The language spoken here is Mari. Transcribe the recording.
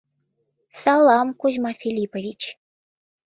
— Салам, Кузьма Филиппович!